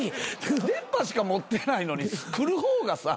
出っ歯しか持ってないのに来る方がさ